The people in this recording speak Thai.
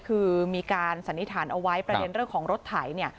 คือมีการสันนิษฐานเอาไว้ประเด็นเรื่องของรถไถเนี่ย